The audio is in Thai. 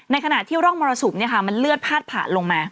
ขณะที่ร่องมรสุมมันเลือดพาดผ่านลงมา